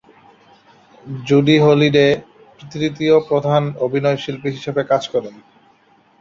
জুডি Holliday তৃতীয় প্রধান অভিনয়শিল্পী হিসেবে কাজ করেন।